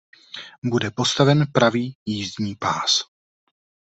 Bude postaven pravý jízdní pás.